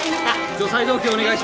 除細動器お願いします！